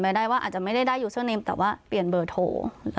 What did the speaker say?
ได้ว่าอาจจะไม่ได้ได้ยูเซอร์เนมแต่ว่าเปลี่ยนเบอร์โทร